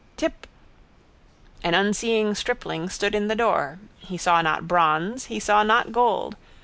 Tip. An unseeing stripling stood in the door. He saw not bronze. He saw not gold.